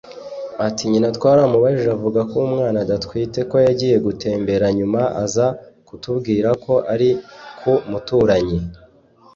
Ati “ Nyina twaramubajije avuga ko umwana adatwite ko yagiye gutembera nyuma aza kutubwira ko ari ku muturanyi